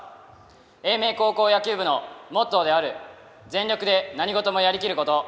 英明高校野球部のモットーである全力で何事もやりきること